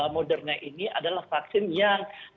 moderna ini adalah vaksin yang